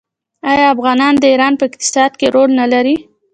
آیا افغانان د ایران په اقتصاد کې رول نلري؟